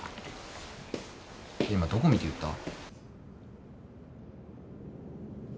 今どこ見て言った？